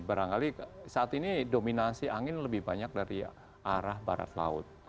barangkali saat ini dominasi angin lebih banyak dari arah barat laut